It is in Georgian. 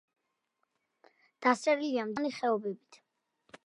დასერილია მდინარეთა მრავალრიცხოვანი ხეობებით.